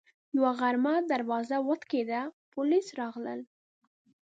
یوه غرمه دروازه وټکېده، پولیس راغلل